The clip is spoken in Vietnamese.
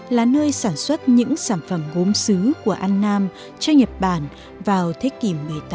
là nơi sản xuất những sản phẩm gốm xứ của an nam cho nhật bản vào thế kỷ một mươi tám một mươi chín